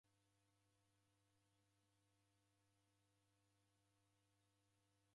Aja andu kwaw'iaendelia shwaw'ori nandighi.